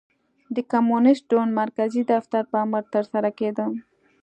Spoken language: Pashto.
د کمونېست ګوند مرکزي دفتر په امر ترسره کېده.